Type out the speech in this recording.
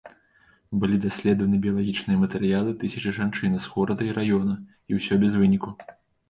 Былі даследаваны біялагічныя матэрыялы тысячы жанчын з горада і раёна, і ўсё без выніку.